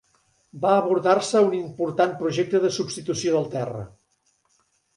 Va abordar-se un important projecte de substitució del terra.